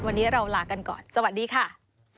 วันนี้เราลากันก่อนสวัสดีค่ะ